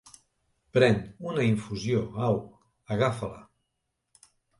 Pren una infusió, au, agafa-la.